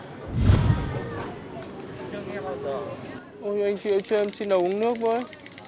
ôi anh chị ơi chưa em xin đầu uống nước với